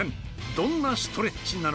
どんなストレッチなのか？